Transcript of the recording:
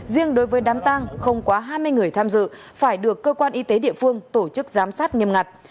riêng đối với đám tang không quá hai mươi người tham dự phải được cơ quan y tế địa phương tổ chức giám sát nghiêm ngặt